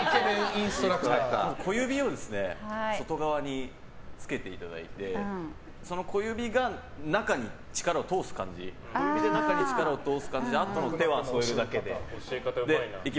小指を外側につけていただいてその小指で中に力を通す感じであとの手は添えるだけで。